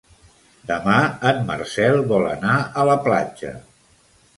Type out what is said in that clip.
Demà en Marcel vol anar a la platja.